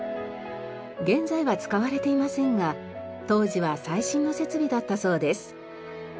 現在は使われていませんが当時は最新の設備だったそうです。